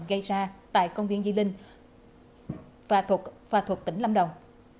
gây ra tại công viên di linh và thuộc tỉnh lâm đồng